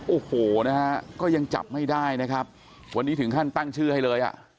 โอ้โหนะฮะก็ยังจับไม่ได้นะครับวันนี้ถึงขั้นตั้งชื่อให้เลยอ่ะ